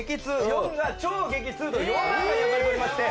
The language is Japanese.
４が「超激痛」と４段階に分かれておりまして。